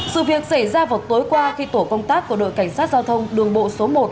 sự việc xảy ra vào tối qua khi tổ công tác của đội cảnh sát giao thông đường bộ số một